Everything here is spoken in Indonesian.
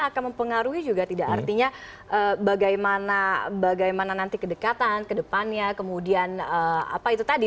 akan mempengaruhi juga tidak artinya bagaimana nanti kedekatan kedepannya kemudian apa itu tadi